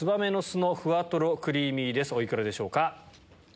お幾らでしょうか？